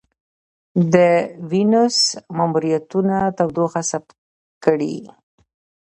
د وینوس ماموریتونه تودوخه ثبت کړې.